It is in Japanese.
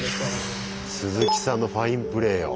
すずきさんのファインプレーよ。